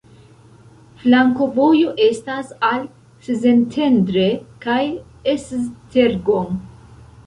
Flankovojo estas al Szentendre kaj Esztergom.